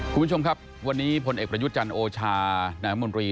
คุณผู้ชมครับวันนี้พลเอกประยุทธ์จันทร์โอชานายมนตรี